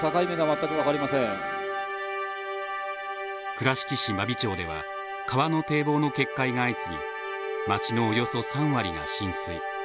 倉敷市真備町では川の堤防の決壊が相次ぎ街のおよそ３割が浸水。